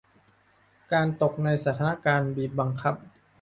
การตกในสถานการณ์บีบบังคับ